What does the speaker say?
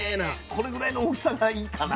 これぐらいの大きさがいいかな。